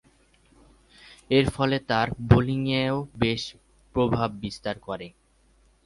এরফলে তার বোলিংয়েও বেশ প্রভাববিস্তার করে।